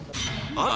ああ。